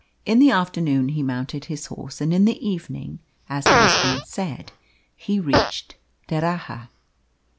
In the afternoon he mounted his horse, and in the evening, as has been said, he reached D'Erraha.